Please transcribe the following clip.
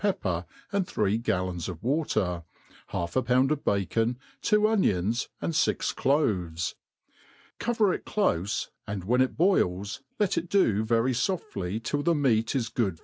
epper$ acid ffaiee gallons of water, half a pound of bacon, two onions, and fix cloves ; cover it clofe, and when k boils, let it do very foftly till the meat is go^d.